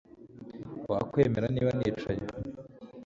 Wakwemera niba nicaye